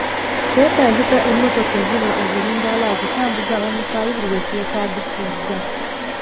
Kyetaagisa emmotoka eziba obulindaala okutambuza omusaayi buli we kyetaagisiza.